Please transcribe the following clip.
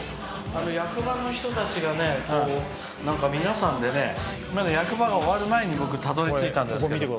役場の人たちがねなんか、皆さんでまだ役場が終わる前に僕たどりついたんですけど。